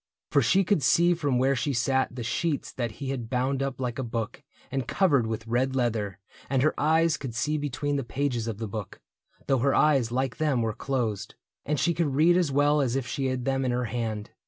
For she could see from where she sat The sheets that he had bound up like a book And covered with red leather ; and her eyes Could see between the pages of the book, Though her eyes, like them, were closed. And she could read As well as if she had them in her hand.